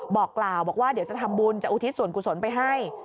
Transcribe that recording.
บอกกล่าวบอกว่าเดี๋ยวจะทำบุญจะอุทิศส่วนกุศลไปให้